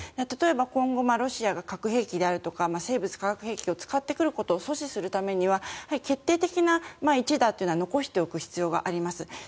例えば、今後、ロシアが核兵器であるとか生物・化学兵器を使ってくることを阻止するためには決定的な一打というのは残しておく必要があります。